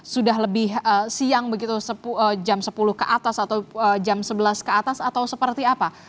sudah lebih siang begitu jam sepuluh ke atas atau jam sebelas ke atas atau seperti apa